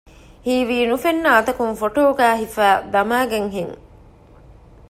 ހީވީ ނުފެންނަ އަތަކުން ފޮޓޯގައި ހިފައި ދަމައިގަތްހެން